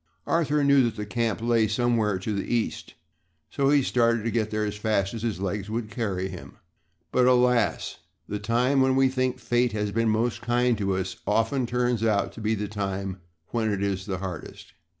Arthur knew that the camp lay somewhere to the East so he started to get there as fast as his legs would carry him. But, alas. The time when we think fate has been most kind to us often turns out to be the time when it is hardest.